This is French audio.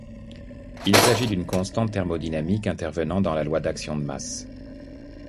Il s'agit d'une constante thermodynamique intervenant dans la loi d'action de masse.